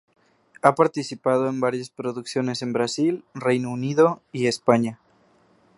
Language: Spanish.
Ha participado en varias producciones en Brasil, Reino Unido y España.